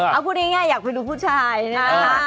เอาพูดง่ายอยากไปดูผู้ชายนะ